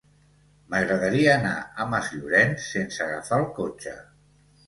M'agradaria anar a Masllorenç sense agafar el cotxe.